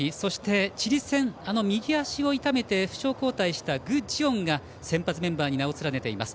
チリ戦、右足を痛めて負傷交代した具智元が先発メンバーに名を連ねています。